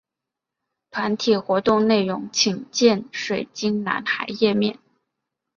团体活动内容请见水晶男孩页面。